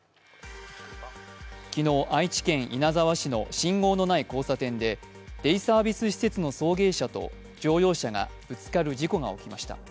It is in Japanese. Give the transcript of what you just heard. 昨日、愛知県稲沢市の信号のない交差点でデイサービス施設の送迎車と乗用車がぶつかる事故が起きました。